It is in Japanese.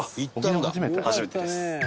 初めてです。